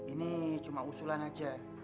ini cuma usulan aja